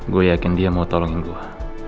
gue yakin dia mau tolongin gue